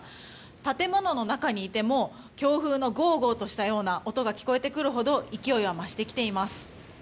建物の中にいても強風のゴーゴーとした音が聞こえてくるほど勢いは増してきています。